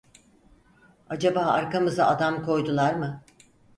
Acaba arkamıza adam koydular mı?